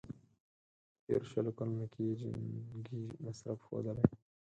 په تېرو شلو کلونو کې یې جنګي مصرف ښودلی.